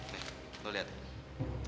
nih lu liat